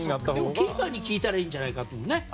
キーパーに聞いたらいいんじゃないかっていう。